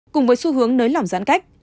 cùng với xu hướng nới lỏng giãn cách